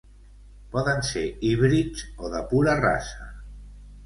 Poden ser híbrids o de pura raça.